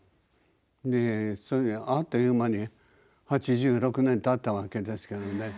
あっという間に８６年たったわけですけどね。